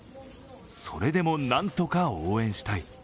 それでも何とか応援したい。